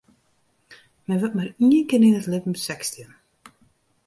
Men wurdt mar ien kear yn it libben sechstjin.